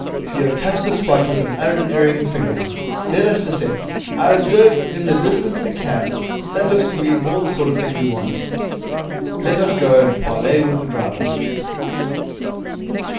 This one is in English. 'You have touched the spot with an unerring finger. Let us descend. I observe in the distance a cab. That looks to me more the sort of thing we want. Let us go and parley with the driver.'